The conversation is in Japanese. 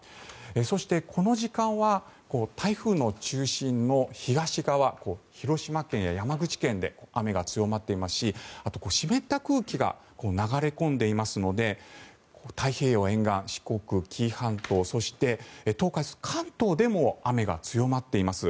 そして、この時間は台風の中心の東側広島県や山口県で雨が強まっていますしあと、湿った空気が流れ込んでいますので太平洋沿岸、四国、紀伊半島そして東海・関東でも雨が強まっています。